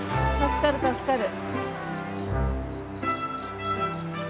助かる助かる。